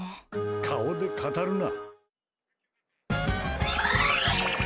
顔で語るな。